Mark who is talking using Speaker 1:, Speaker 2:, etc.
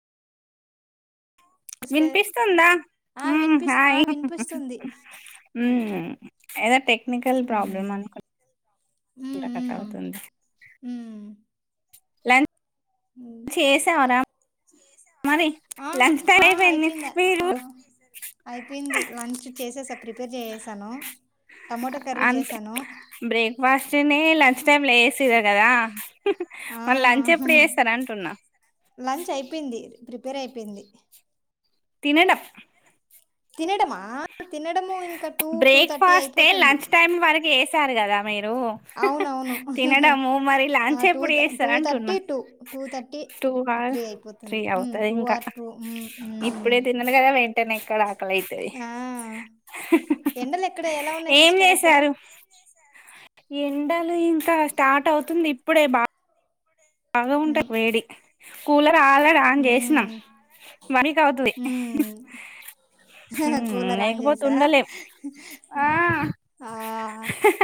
Speaker 1: వినిపిస్తుందా ఉ హాయ్ మా ఏదో టెక్నికల్ ప్రాబ్లమ్ అనుకున్నా ఇలా కట్ అవుతుంది లంచ్ చేసావ్రా
Speaker 2: ఆ అయిపోయింది అయిపోయింది లంచ్ చేససాన ప్రిపేర్ చేససాను టమోటా కర్రీ చేసాను
Speaker 1: లంచ్ టైమ్ లో ఏసీరు కదా మళ్ళ లంచ్ ఎప్పుడు చేస్తార్ అంటున్నా
Speaker 2: ప్రిపేర్ అయిపోయింది
Speaker 1: తినేంటప్ప్
Speaker 2: తినడమా తినడము ఇంకట్
Speaker 1: బ్రేక్ఫాస్టే లంచ్ టైమ్ వరకు వసార్ కదా మీరు తినడమూ మరి లంచ్ ఎప్పుడు వస్తారు అంటున్న టూ త్రీ అవుతుంది ఇంకా ఇప్పుడే తిన్నదు కదా వెంటనే ఇక్కడ లైతది
Speaker 2: ఎండలు ఎక్కడ ఎలా ఉన్నాయి సిస్టర్ అక్కడ
Speaker 1: ఎండలు ఇంకా స్టార్ట్ అవుతుంది ఇప్పుడే బా బాగా ఉంట వేడి కూల ఆల్రెడీ ఆన్ చేసినం మరక్ అవుతుంది లేకపోత్ు ఉండలేమ్